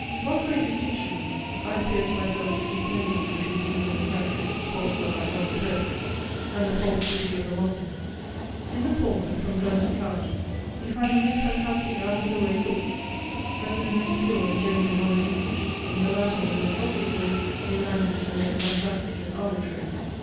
One great distinction, I appeared to myself to see plainly between even the characteristic faults of our elder poets, and the false beauty of the moderns. In the former, from Donne to Cowley, we find the most fantastic out of the way thoughts, but in the most pure and genuine mother English, in the latter the most obvious thoughts, in language the most fantastic and arbitrary.